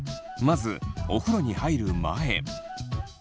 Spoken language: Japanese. まずお風呂に入る前。